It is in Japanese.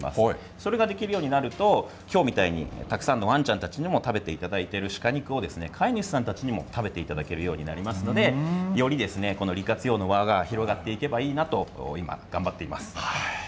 それができるようになると今日みたいにたくさんのワンちゃんたちにも食べていただいている鹿肉を飼い主さんたちにも食べていただけるようになりますのでより利活用の輪が広がっていけばいいなと今、頑張っています。